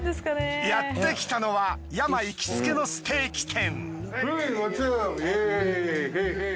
やってきたのはＹＡＭＡ行きつけのステーキ店。